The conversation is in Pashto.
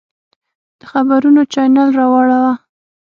د خبرونو چاینل راواړوه!